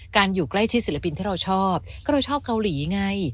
อยู่ใกล้ชิดศิลปินที่เราชอบก็เราชอบเกาหลีไง